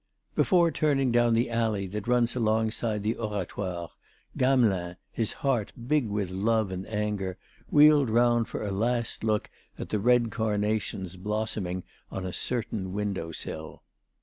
Before turning down the alley that runs alongside the Oratoire, Gamelin, his heart big with love and anger, wheeled round for a last look at the red carnations blossoming on a certain window sill.